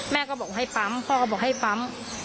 แม่ก็บอกให้ปั๊มพ่อก็บอกให้ปั๊ม